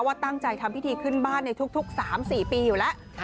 ตั้งใจทำพิธีขึ้นบ้านในทุก๓๔ปีอยู่แล้ว